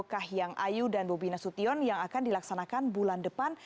kahyang ayu dan bobina sution yang akan dilaksanakan bulan depan